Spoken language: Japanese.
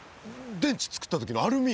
電池作った時のアルミ。